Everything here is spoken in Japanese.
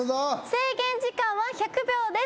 制限時間は１００秒です。